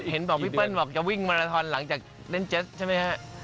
เห็นบอกพี่เปิ้ลบอกจะวิ่งมาราทอนหลังจากเล่นเจสใช่ไหมฮะ